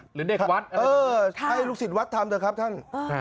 หรือเด็กวัดเออให้ลูกศิษย์วัดทำเถอะครับท่าน